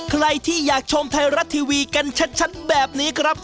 ใครที่อยากชมไทยรัฐทีวีกันชัดแบบนี้ครับ